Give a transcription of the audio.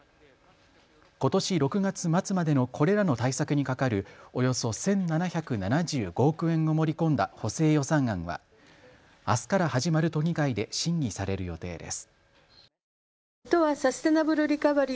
ことし６月末までのこれらの対策にかかるおよそ１７７５億円を盛り込んだ補正予算案はあすから始まる都議会で審議される予定です。